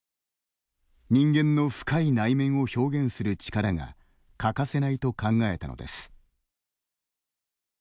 人間の深い内面を表現する力が欠かせないと考えたのです。